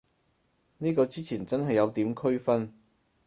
呢個之前真係冇點區分